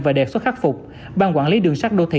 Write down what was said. và đề xuất khắc phục ban quản lý đường sắt đô thị